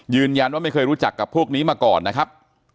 ยืนยันว่าไม่เคยรู้จักกับพวกนี้มาก่อนนะครับ